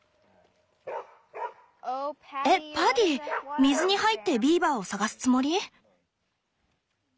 えっパディ水に入ってビーバーを探すつもり？